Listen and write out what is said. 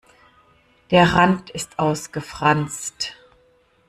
Der Rand ist ausgefranst.